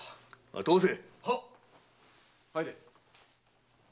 通せ。